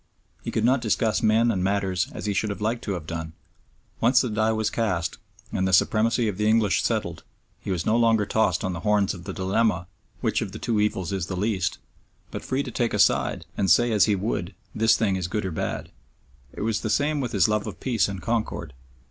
He could not discuss men and matters as he should have liked to have done. Once the die was cast and the supremacy of the English settled, he was no longer tossed on the horns of the dilemma, Which of two evils is the least? but free to take a side and say as he would, This thing is good or bad. It was the same with his love of peace and concord.